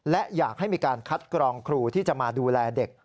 และอยากให้มีการคัดกรองครูที่จะมาดูแลเด็ก